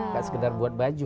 gak sekedar buat baju